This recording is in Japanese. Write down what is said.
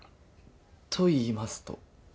と言いますと？